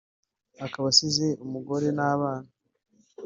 akaba asize umugore n’abana